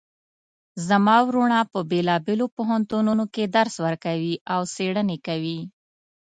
زما وروڼه په بیلابیلو پوهنتونونو کې درس ورکوي او څیړنې کوی